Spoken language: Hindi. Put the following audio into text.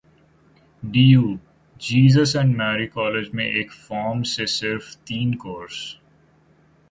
DU: Jesus and Mary college में एक फॉर्म से सिर्फ तीन कोर्स